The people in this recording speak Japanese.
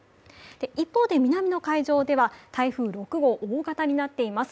一方で南の海上では台風６号、大型になっています。